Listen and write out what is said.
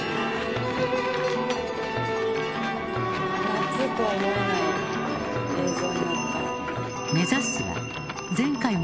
「夏とは思えない映像になった」